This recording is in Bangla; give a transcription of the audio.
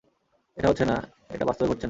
এটা হচ্ছে না, এটা বাস্তবে ঘটছে না।